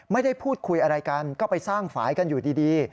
ไม่ได้พูดคุยอะไรกันก็ไปสร้างฝ่ายกันอยู่ดี